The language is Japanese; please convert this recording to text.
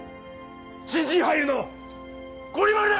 新人俳優のゴリ丸だ！